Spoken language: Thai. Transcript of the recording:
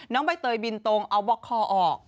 ใบเตยบินตรงเอาบล็อกคอออก